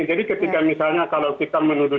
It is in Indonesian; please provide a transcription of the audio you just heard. jadi ketika misalnya kalau kita menuduh